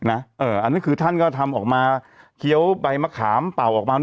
อันนั้นคือท่านก็ทำการเขียวใบมะขามปล่าวออกมา